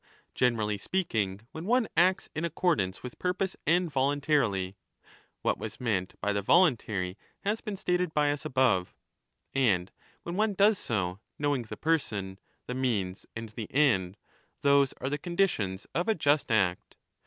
Generally speaking, when one acts in accordance with 15 purpose and voluntarily (what was meant by the voluntary has been stated by us above ^), and when one does so knowing the person, the means, and the end, those are the conditions of a just act.